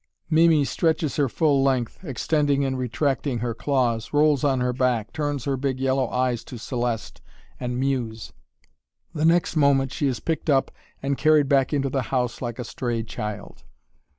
"Mimi" stretches her full length, extending and retracting her claws, rolls on her back, turns her big yellow eyes to Céleste and mews. The next moment she is picked up and carried back into the house like a stray child.